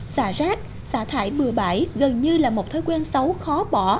xả rác xả thải bừa bãi gần như là một thói quen xấu khó bỏ